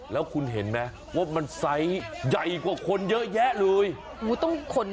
แล้วคุณเห็นไหมว่ามันไซส์ใหญ่กว่าคนเยอะแยะเลย